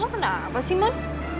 lo kenapa sih man